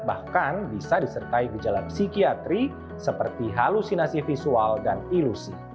bahkan bisa disertai gejala psikiatri seperti halusinasi visual dan ilusi